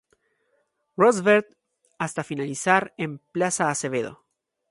Roosevelt hasta finalizar en Plaza Acevedo